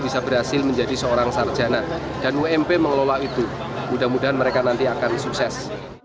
bisa berhasil menjadi seorang sarjana dan ump mengelola itu mudah mudahan mereka nanti akan sukses